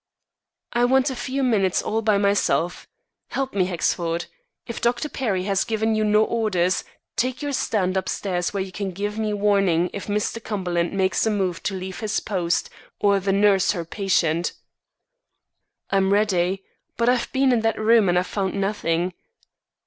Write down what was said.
"I want a few minutes all by myself. Help me, Hexford. If Dr. Perry has given you no orders, take your stand upstairs where you can give me warning if Mr. Cumberland makes a move to leave his post, or the nurse her patient." "I'm ready; but I've been in that room and I've found nothing."